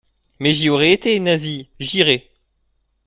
Mais j'y aurais été, Nasie ! J'irai.